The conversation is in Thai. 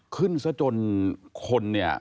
ขึ้นซะจนคนเนี่ย